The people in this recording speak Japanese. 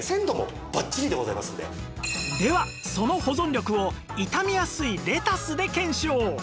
ではその保存力を傷みやすいレタスで検証